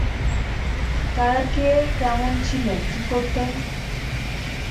তাঁরা কে কেমন ছিলেন, কী করতেন।